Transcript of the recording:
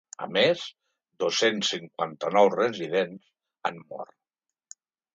A més, dos-cents cinquanta-nou residents han mort.